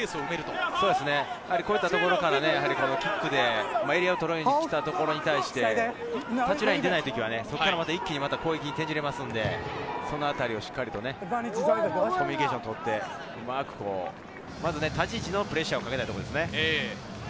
こういったところからキックでエリアを取られに来たところに対して、出ないときは一気に攻撃に転じれますので、そのあたり、しっかりとコミュニケーションをとって、うまく立ち位置のプレッシャーをかけたいところですね。